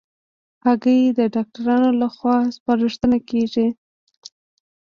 هګۍ د ډاکټرانو له خوا سپارښتنه کېږي.